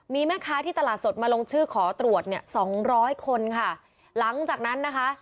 มีแม่ค้าที่ตลาดสดมาลงชื่อขอตรวจเนี่ยสองร้อยคนค่ะหลังจากนั้นนะคะ